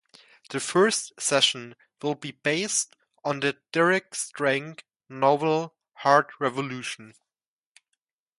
The first season will be based on the Derek Strange novel "Hard Revolution".